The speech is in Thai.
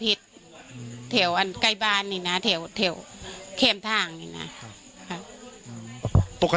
ปกติพี่สาวเราเนี่ยครับเป็นคนเชี่ยวชาญในเส้นทางป่าทางนี้อยู่แล้วหรือเปล่าครับ